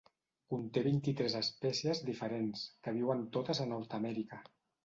Conté vint-i-tres espècies diferents, que viuen totes a Nord-amèrica.